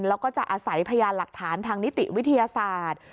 แล้วก็จะอาศัยพยานหลักฐานทางนิติวิทยาศาสตร์